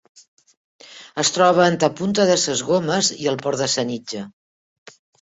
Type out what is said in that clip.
Es troba entre Punta de ses Gomes i el Port de Sanitja.